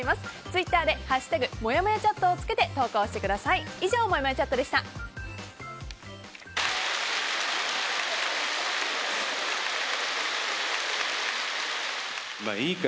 ツイッターで「＃もやもやチャット」をつけて投稿してください。